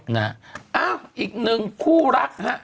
นะอีกหนึ่งคู่รักฮะ